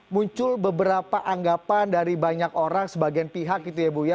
muncul beberapa anggapan dari banyak orang sebagian pihak gitu ya bu ya